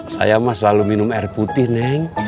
saya mah selalu minum air putih neng